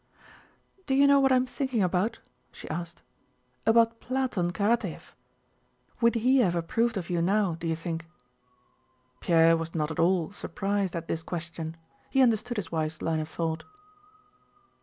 "Do you know what I am thinking about?" she asked. "About Platón Karatáev. Would he have approved of you now, do you think?" Pierre was not at all surprised at this question. He understood his wife's line of thought.